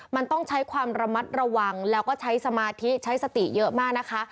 มันต้องใช้ความระมัดระวังแล้วก็ใช้สมาธิใช้สติเยอะมากนะคะ